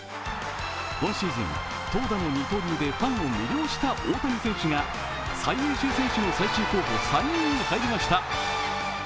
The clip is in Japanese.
今シーズン投打の二刀流でファンを魅了した大谷選手が最優秀選手の最終候補３人に入りました。